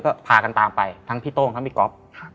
ก็พากันตามไปทั้งพี่โต้งทั้งพี่ก๊อฟ